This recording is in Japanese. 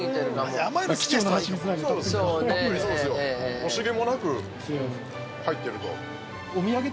◆惜しげもなく入ってると。